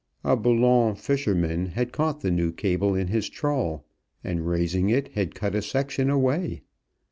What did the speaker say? A Boulogne fisherman had caught the new cable in his trawl, and, raising it, had cut a section away.